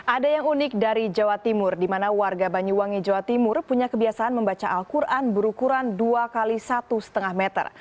ada yang unik dari jawa timur di mana warga banyuwangi jawa timur punya kebiasaan membaca al quran berukuran dua x satu lima meter